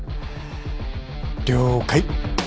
了解。